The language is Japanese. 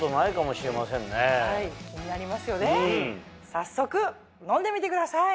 早速飲んでみてください。